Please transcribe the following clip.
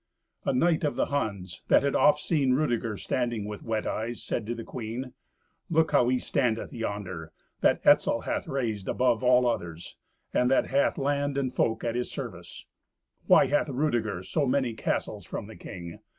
A knight of the Huns, that had oft seen Rudeger standing with wet eyes, said to the queen, "Look how he standeth yonder, that Etzel hath raised above all others, and that hath land and folk at his service. Why hath Rudeger so many castles from the king?